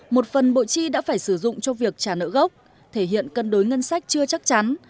một phần bộ chi đã phải sử dụng cho việc trả nợ gốc thể hiện cân đối ngân sách chưa chắc chắn